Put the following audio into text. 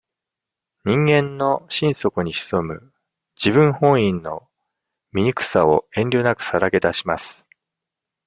人間の心底に潜む、自分本位の醜さを、遠慮なくさらけ出します。